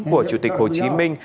của chủ tịch hồ chí minh